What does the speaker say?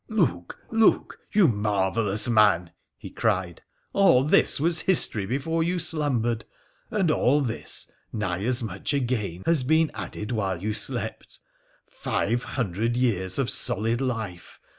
' Look ! look ! you marvellous man !' he cried :' all this was history before you slumbered ; and all this, nigh as much again, has been added while you slept ! Five hundred years of solid life